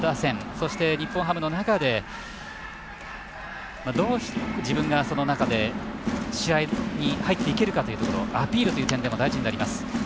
そして、日本ハムの中でどう自分がその中で試合に入っていけるかというところアピールという点でも大事になります。